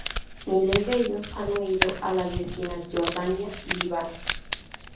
Miles de ellos han huido a las vecinas Jordania y Líbano.